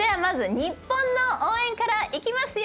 日本の応援からいきますよ。